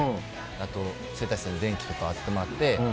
あと、整体師さんに電気とか当ててもらって。